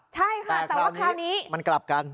ใช่ค่ะแต่ว่าคราวนี้มันกลับกัน